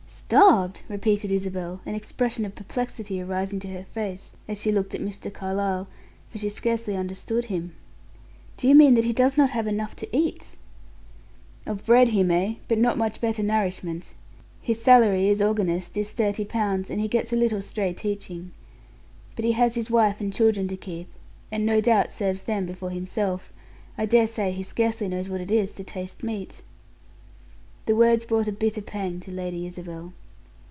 "Starved!" repeated Isabel, an expression of perplexity arising to her face as she looked at Mr. Carlyle, for she scarcely understood him. "Do you mean that he does not have enough to eat?" "Of bread he may, but not much better nourishment. His salary, as organist, is thirty pounds, and he gets a little stray teaching. But he has his wife and children to keep, and no doubt serves them before himself. I dare say he scarcely knows what it is to taste meat." The words brought a bitter pang to Lady Isabel.